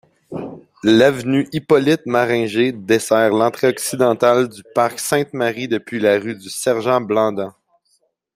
L'avenue Hippolyte-Maringer dessert l'entrée occidentale du Parc Sainte-Marie depuis la rue du Sergent-Blandan.